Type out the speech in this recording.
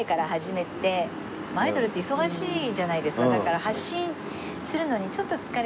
アイドルって忙しいじゃないですか。